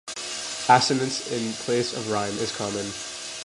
Assonance in place of rhyme is common.